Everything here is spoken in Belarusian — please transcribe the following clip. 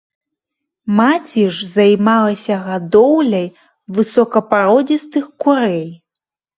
Маці ж займалася гадоўляй высокапародзістых курэй.